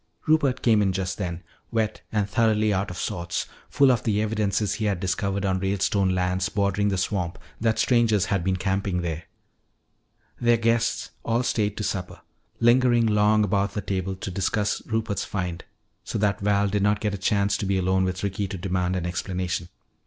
Rupert came in just then, wet and thoroughly out of sorts, full of the evidences he had discovered on Ralestone lands bordering the swamp that strangers had been camping there. Their guests all stayed to supper, lingering long about the table to discuss Rupert's find, so that Val did not get a chance to be alone with Ricky to demand an explanation.